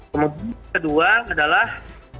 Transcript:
kemudian kedua adalah